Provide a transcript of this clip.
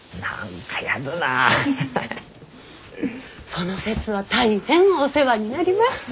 その節は大変お世話になりました。